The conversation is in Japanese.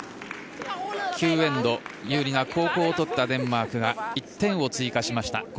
９エンド有利な後攻を取ったデンマークが１点を追加しました。